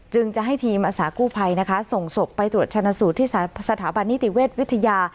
จึงจะให้ทีมอาสากู้ภัยนะคะส่งศพไปตรวจชนะสูตรที่สถาบันนิติเวชวิทยา